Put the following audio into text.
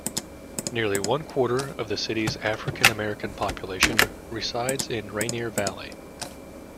Nearly one quarter of the cities' African-American population resides in Rainier Valley.